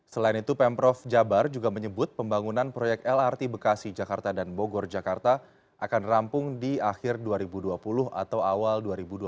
selain itu pemprov jabar juga menyebut pembangunan proyek lrt bekasi jakarta dan bogor jakarta akan rampung di akhir dua ribu dua puluh atau awal dua ribu dua puluh satu